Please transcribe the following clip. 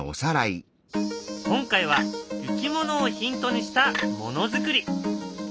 今回はいきものをヒントにしたものづくり。